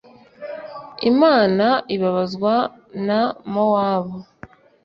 imana ibabazwa na mowabu